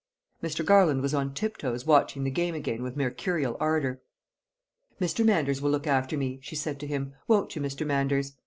Mr. Garland was on tip toes watching the game again with mercurial ardour. "Mr. Manders will look after me," she said to him, "won't you, Mr. Manders?"